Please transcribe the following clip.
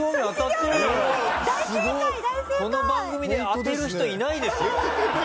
この番組で当てる人いないですよ。